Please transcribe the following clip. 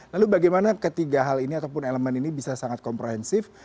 lalu bagaimana ketiga hal ini ataupun elemen ini bisa sangat komprehensif